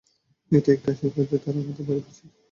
এটা একটা আশীর্বাদ যে তারা আমাদের বাড়ি এসেছে।